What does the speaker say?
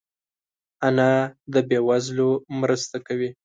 انا د بې وزلو مرسته کوي